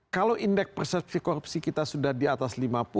kalau indeks persepsi korupsi kita sudah di atas lima puluh